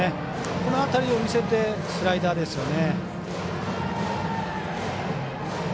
この辺りを見せてスライダーですよね。